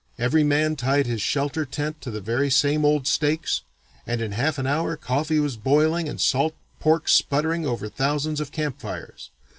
Every man tied his shelter tent to the very same old stakes, and in half an hour coffee was boiling and salt pork sputtering over thousands of camp fires.